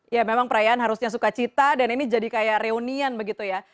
ya memang perayaan harusnya suka cita dan ini jadi kayak reunian begitu ya